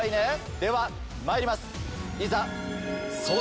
ではまいりますいざ。